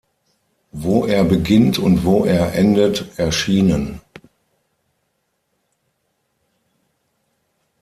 Wo er beginnt und wo er endet" erschienen.